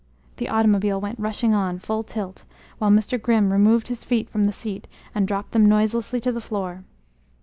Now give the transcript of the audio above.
The automobile went rushing on, full tilt, while Mr. Grimm removed his feet from the seat and dropped them noiselessly to the floor.